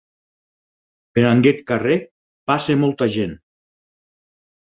Per aquest carrer passa molta gent.